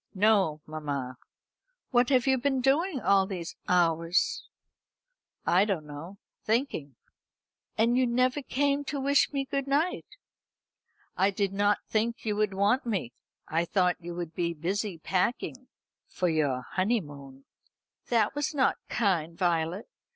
"No, mamma." "What have you been doing all these hours?" "I don't know thinking," "And you never came to wish me good night." "I did not think you would want me. I thought you would be busy packing for your honeymoon." "That was not kind, Violet.